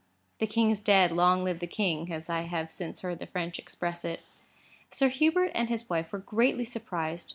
The king is dead—"Long live the king!" as I have since heard that the French express it. Sir Hubert and his wife were greatly surprised.